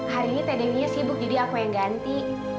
hari ini t d m nya sibuk jadi aku yang ganti